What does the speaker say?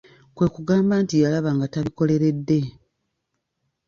Kwe kugamba nti yalaba ng'atabikoleredde.